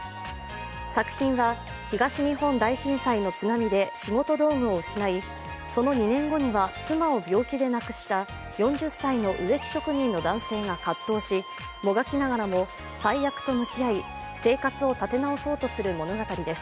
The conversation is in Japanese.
作品は東日本大震災の津波で仕事道具を失いその２年後には妻を病気で亡くした４０歳の植木職人の男性が葛藤しもがきながらも災厄と向き合い生活を立て直そうとする物語です。